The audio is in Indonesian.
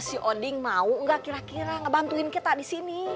si odin mau gak kira kira ngebantuin kita disini